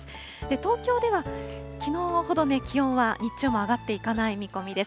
東京ではきのうほど気温は日中も上がっていかない見込みです。